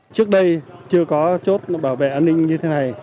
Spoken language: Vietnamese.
trước đây chưa có chốt bảo vệ an ninh như thế này